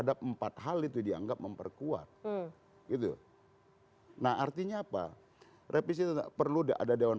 ada empat hal itu dianggap memperkuat gitu nah artinya apa revisi perlu ada dewan